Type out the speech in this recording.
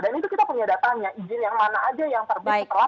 dan itu kita punya datanya izin yang mana aja yang terbit setelah